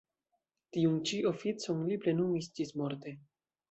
Tiun ĉi oficon li plenumis ĝismorte.